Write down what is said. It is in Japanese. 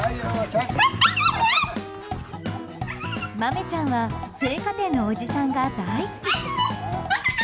マメちゃんは青果店のおじさんが大好き。